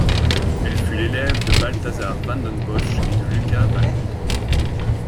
Elle fut l'élève de Balthazar van den Bossche et de Lucas van Uden.